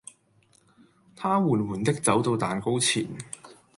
他緩緩的走到蛋糕前